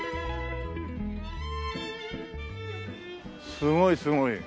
すごいすごい。